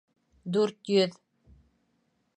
Дүрт йөҙ